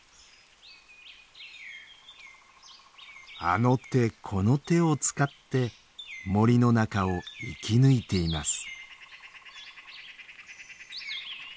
あの手この手を使って森の中を生き抜いています。